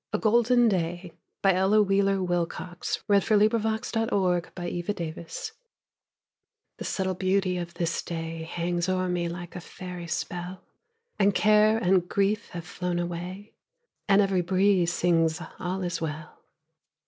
A Golden Day An Ella Wheeler Wilcox Poem A GOLDEN DAY The subtle beauty of this day Hangs o'er me like a fairy spell, And care and grief have flown away, And every breeze sings, "All is well."